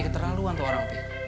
keterlaluan tuh orang pi